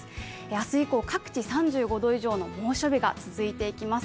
明日以降各地３５度以上の猛暑日が続いていきます。